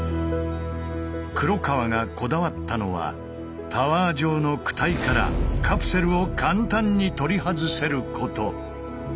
黒川がこだわったのはタワー状の躯体からカプセルを簡単に取り外せること。